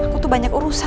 aku tuh banyak urusan tau